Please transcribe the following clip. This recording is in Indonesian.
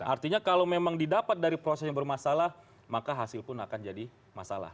artinya kalau memang didapat dari proses yang bermasalah maka hasil pun akan jadi masalah